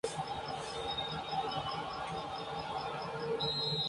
La ceremonia fue muy sencilla.